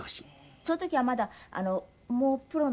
その時はまだもうプロの。